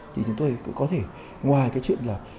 thì chúng tôi có thể ngoài cái chuyện là